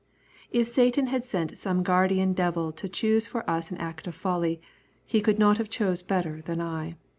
If Satan had sent some guardian devil to choose for us an act of folly, he could not have chosen better than I.